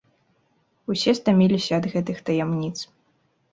Усе стаміліся ад гэтых таямніц.